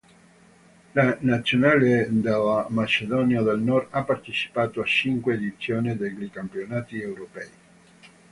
La nazionale della Macedonia del Nord ha partecipato a cinque edizioni degli Campionati Europei.